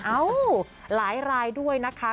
เอ้าหลายรายด้วยนะคะ